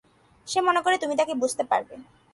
সে মনে করে তুমি তাকে বুঝতে পারবে।